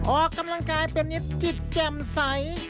ออกกำลังกายเป็นนิดจิตแจ่มใส